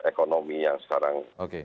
ekonomi yang sekarang